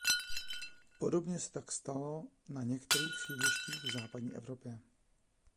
Podobně se tak stalo na některých sídlištích v západní Evropě.